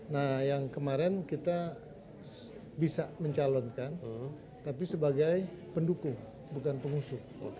nah yang kemarin kita bisa mencalonkan tapi sebagai pendukung bukan pengusung